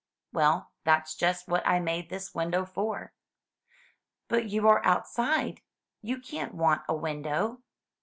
"Well, that's just what I made this window for." "But you are outside; you can't want a window."